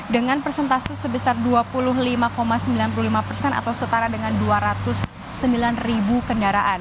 dengan persentase sebesar dua puluh lima sembilan puluh lima persen atau setara dengan dua ratus sembilan ribu kendaraan